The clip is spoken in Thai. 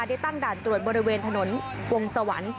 ได้ตั้งด่านตรวจบริเวณถนนวงสวรรค์